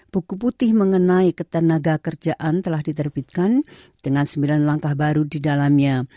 buku putih mengenai ketenaga kerjaan telah diterbitkan dengan sembilan langkah baru di dalamnya